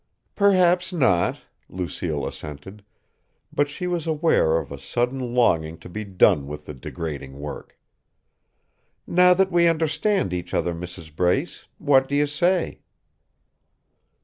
"Perhaps not," Lucille assented; but she was aware of a sudden longing to be done with the degrading work. "Now that we understand each other, Mrs. Brace, what do you say?"